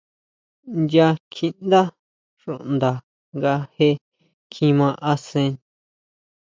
Nya kjiʼndá xuʼnda nga je kjima asen.